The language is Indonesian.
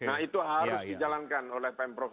nah itu harus dijalankan oleh pemprov